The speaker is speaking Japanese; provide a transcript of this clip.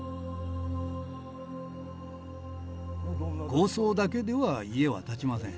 構想だけでは家は建ちません。